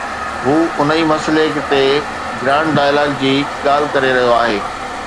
هو ان ئي مسئلي تي گرانڊ ڊائلاگ جي ڳالهه ڪري رهيو آهي.